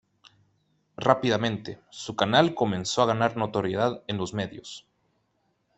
Rápidamente, su canal comenzó a ganar notoriedad en los medios.